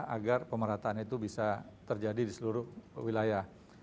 agar pemerataan itu bisa terjadi di seluruh wilayah